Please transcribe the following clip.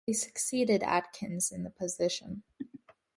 Bradley succeeded Atkins in the position.